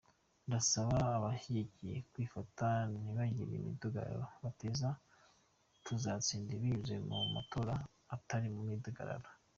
ndasaba abanshyyigikiye kwifata ntibagire imidugararo bateza tuzatsinda binyuze mu matora atari mu midugararo.